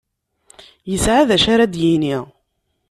Yesεa d acu ara d-yini.